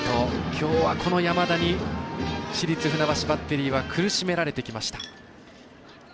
きょうは、この山田に市立船橋バッテリーは苦しめられてきました。